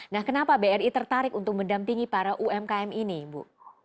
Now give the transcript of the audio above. nah kenapa bri tertarik untuk mendampingi para umkm ini bu